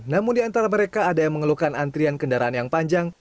namun di antara mereka ada yang mengeluhkan antrian kendaraan yang panjang